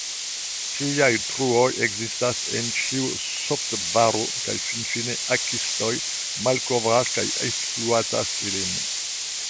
Tiaj truoj ekzistas en ĉiu softvaro, kaj finfine hakistoj malkovras kaj ekspluatas ilin.